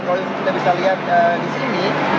kalau kita bisa lihat